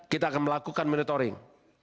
kita akan melakukan monitoring